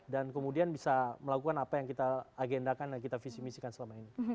dan kemudian bisa melakukan apa yang kita agendakan dan kita visi misikan selama ini